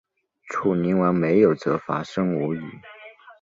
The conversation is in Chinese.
楚灵王没有责罚申无宇。